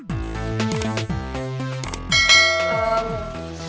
ganti senang senang dulu ya